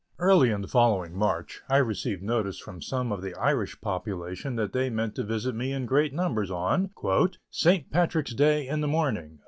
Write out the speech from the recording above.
Early in the following March, I received notice from some of the Irish population that they meant to visit me in great numbers on "St. Patrick's day in the morning."